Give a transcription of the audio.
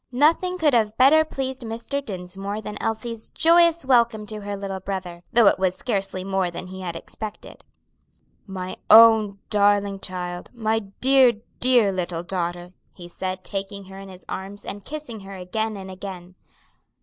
Nothing could have better pleased Mr. Dinsmore than Elsie's joyous welcome to her little brother; though it was scarcely more than he had expected. "My own darling child; my dear, dear little daughter," he said, taking her in his arms and kissing her again and again.